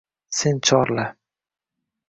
sen chorla –